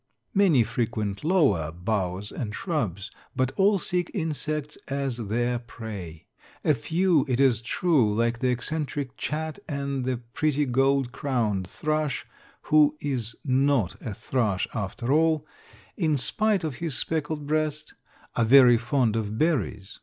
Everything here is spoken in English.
Many frequent lower boughs and shrubs, but all seek insects as their prey. A few, it is true, like the eccentric chat and the pretty gold crowned thrush, who is not a thrush after all, in spite of his speckled breast, are very fond of berries.